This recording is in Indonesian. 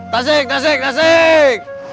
tasik tasik tasik